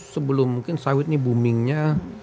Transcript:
sebelum mungkin sawit ini boomingnya